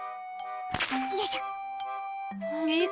よいしょ。